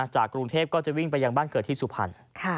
จากกรุงเทพก็จะวิ่งไปยังบ้านเกิดที่สุพรรณ